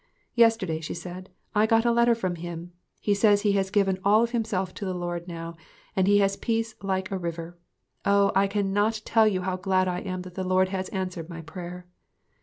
"Yesterday," she said, "I got a letter from him. He says he has given all of himself to the Lord now, and he has peace like a river. Oh, I can not tell you how glad I am that the Lord has answered my prayer."